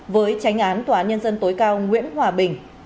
với tránh án tòa án nhân dân tối cao nguyễn hòa bình